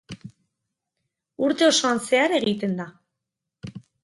Urte osoan zehar egiten da.